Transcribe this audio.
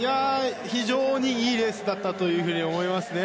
非常にいいレースだったと思いますね。